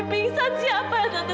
tapi ini nyataannya kayak gitu kan tante